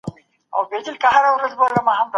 زه لمونځ کوم.